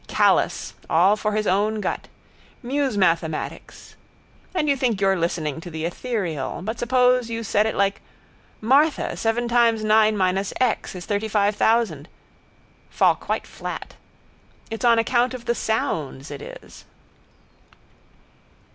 Callous: all for his own gut. Musemathematics. And you think you're listening to the etherial. But suppose you said it like: Martha, seven times nine minus x is thirtyfive thousand. Fall quite flat. It's on account of the sounds it is.